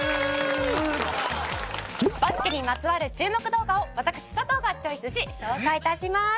バスケにまつわる注目動画を私佐藤がチョイスし紹介致します。